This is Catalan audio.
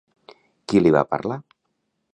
Qui li va parlar?